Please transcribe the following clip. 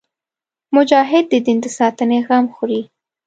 مجاهد د دین د ساتنې غم خوري.